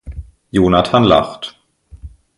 Jonathan lacht.